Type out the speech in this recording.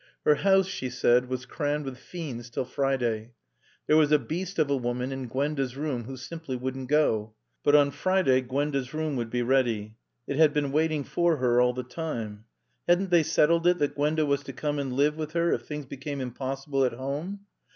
Her house, she said, was crammed with fiends till Friday. There was a beast of a woman in Gwenda's room who simply wouldn't go. But on Friday Gwenda's room would be ready. It had been waiting for her all the time. Hadn't they settled it that Gwenda was to come and live with her if things became impossible at home?